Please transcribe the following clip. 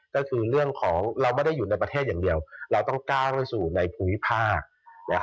ก็คือเรื่องของเราไม่ได้อยู่ในประเทศอย่างเดียวเราต้องก้าวไปสู่ในภูมิภาค